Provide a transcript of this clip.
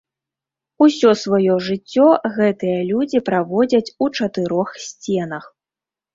Усё сваё жыццё гэтыя людзі праводзяць у чатырох сценах.